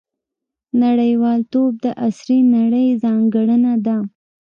• نړیوالتوب د عصري نړۍ ځانګړنه ده.